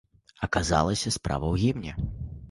Аказалася, справа ў гімне.